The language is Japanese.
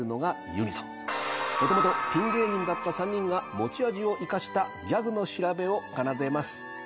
もともとピン芸人だった３人が持ち味を生かしたギャグの調べを奏でます。